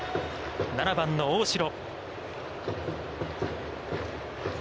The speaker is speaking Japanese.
７番の大城。